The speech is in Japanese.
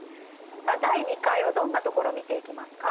さあ第２回はどんなところを見ていきますか？